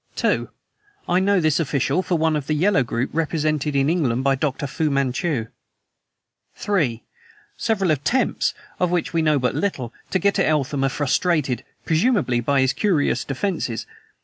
"(2) I know this official for one of the Yellow group represented in England by Dr. Fu Manchu. "(3) Several attempts, of which we know but little, to get at Eltham are frustrated, presumably by his curious 'defenses.'